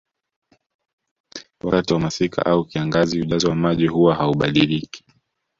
Wakati wa masika au kiangazi ujazo wa maji huwa haubadiliki